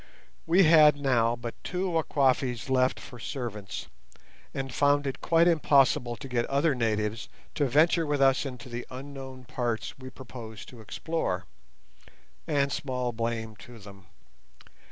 We had now but two Wakwafis left for servants, and found it quite impossible to get other natives to venture with us into the unknown parts we proposed to explore—and small blame to them.